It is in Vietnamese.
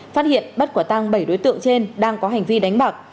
phát hiện bắt quả tăng bảy đối tượng trên đang có hành vi đánh bạc